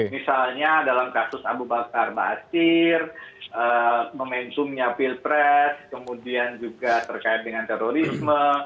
misalnya dalam kasus abu bakar basir momentumnya pilpres kemudian juga terkait dengan terorisme